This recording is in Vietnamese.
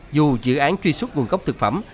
dù dự án truy xuất nguồn gốc thực phẩm